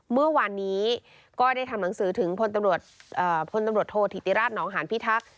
เมื่อวานนี้ก็ได้ทำหนังสือถึงพลตำรวจโทษธิติราชหนองหานพิทักษ์